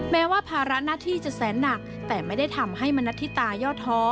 แม้ว่าภาระหน้าที่จะแสนหนักแต่ไม่ได้ทำให้มณัฐิตาย่อท้อ